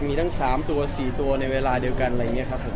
มีทั้ง๓ตัว๔ตัวในเวลาเดียวกันอะไรอย่างนี้ครับผม